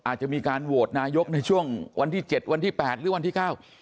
อาจจะมีการโหวตนายกในช่วงวันที่๗วันที่๘หรือวันที่๙